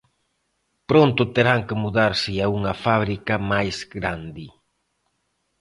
Pronto terán que mudarse a unha fábrica máis grande.